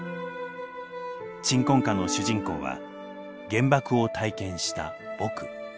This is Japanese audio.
「鎮魂歌」の主人公は原爆を体験した「僕」。